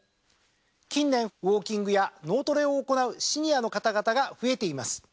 近年ウオーキングや脳トレを行うシニアの方々が増えています。